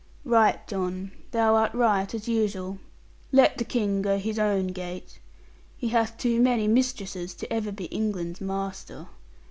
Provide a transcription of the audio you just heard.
'Right, John, thou art right as usual. Let the King go his own gait. He hath too many mistresses to be ever England's master.